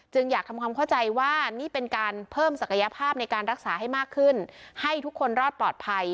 อยากทำความเข้าใจว่านี่เป็นการเพิ่มศักยภาพในการรักษาให้มากขึ้นให้ทุกคนรอดปลอดภัย